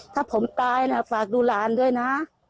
ถ้าผมตายนะฝากดูหลานด้วยนะ